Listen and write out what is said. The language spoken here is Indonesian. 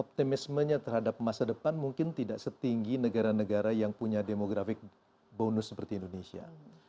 optimismenya terhadap masa depan mungkin tidak setinggi negara negara yang punya demografik bonus seperti indonesia